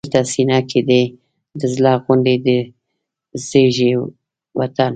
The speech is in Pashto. دلته سینه کې دی د زړه غوندې درزېږي وطن